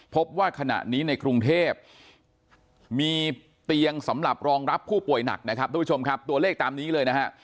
พบว่าขณะนี้ในกรุงเทพมีเตียงสำหรับรองรับผู้ป่วยหนักนะครับทุกผู้ชมครับตัวเลขตามนี้เลยนะฮะ